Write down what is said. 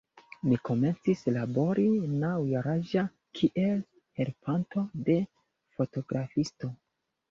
Li komencis labori naŭ-jaraĝa kiel helpanto de fotografisto.